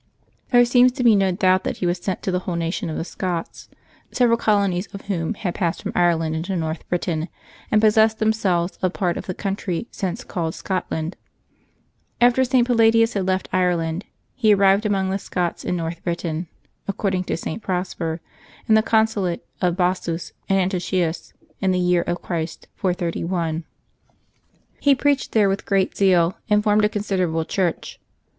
There seems to be no doubt that he was sent to the whole nation of the Scots, several colonies of whom had passed from Ireland into North Britain, and possessed themselves of part of the country since called Scotland. After St. Pal ladius had left Ireland, he arrived among the Scots in North Britain, according to St. Prosper, in the consulate of Bassus and Antochius, in the year of Christ 431. He preached there with great zeal, and formed a considerable Church.